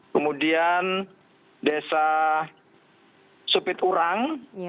kemudian desa supiturang